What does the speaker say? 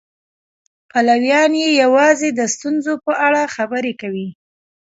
پلویان یې یوازې د ستونزو په اړه خبرې کوي.